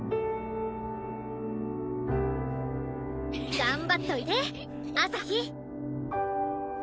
頑張っといで朝日！